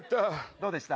どうでした？